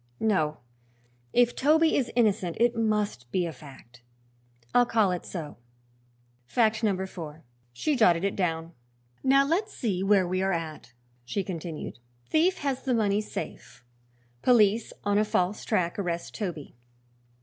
No, if Toby is innocent it must be a fact. I'll call it so Fact number four." She jotted it down. "Now let's see where we are at," she continued. "Thief has the money safe; police on a false track arrest Toby.